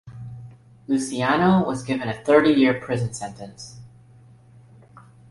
Luciano was given a thirty-year prison sentence.